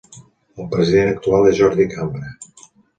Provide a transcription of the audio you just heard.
El president actual és Jordi Cambra.